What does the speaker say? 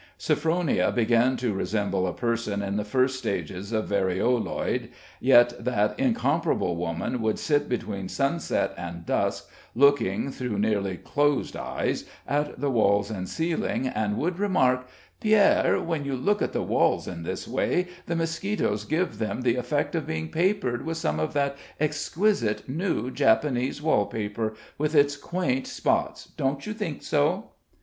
Sophronia began to resemble a person in the first stages of varioloid, yet that incomparable woman would sit between sunset and dusk, looking, through nearly closed eyes, at the walls and ceiling, and would remark: "Pierre, when you look at the walls in this way, the mosquitoes give them the effect of being papered with some of that exquisite new Japanese wall paper, with its quaint spots; don't you think so?"